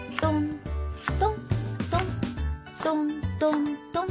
トントントントン。